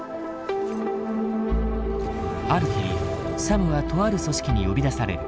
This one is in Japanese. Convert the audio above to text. ある日サムはとある組織に呼び出される。